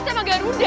pks sama garuda